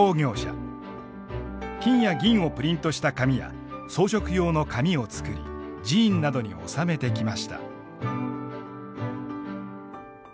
金や銀をプリントした紙や装飾用の紙を作り寺院などに納めてきました。